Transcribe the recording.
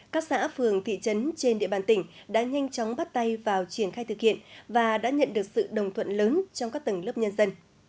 các xã phường thị trấn trên địa bàn tỉnh đã nhanh chóng bắt tay vào triển khai thực hiện và đã nhận được sự đồng thuận lớn trong các tầng lớp nhân dân